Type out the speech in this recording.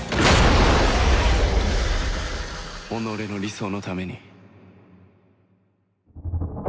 己の理想のために。